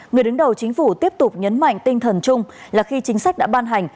người đứng đầu chính phủ tiếp tục nhấn mạnh tinh thần chung là khi chính sách đã ban hành